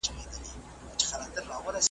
ستا به هېر سوی یم خو زه دي هېرولای نه سم .